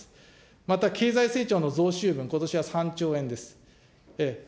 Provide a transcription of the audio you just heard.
また経済成長の増収分、ことしは３兆円です。